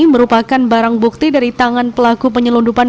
merupakan barang bukti dari tangan pelaku penyelundupan